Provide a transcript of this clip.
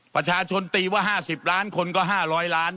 ประชาชนตีว่าห้าสิบล้านคนก็ห้าร้อยล้าน